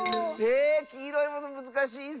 えきいろいものむずかしいッス！